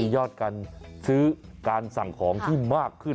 ยอดการซื้อการสั่งของที่มากขึ้น